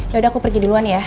yaudah aku pergi duluan ya